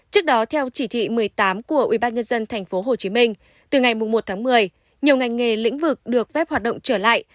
trước đó theo chỉ thị một mươi tám của ubnd tp hcm từ ngày một tháng một mươi nhiều ngành nghề lĩnh vực được phép hoạt động trở lại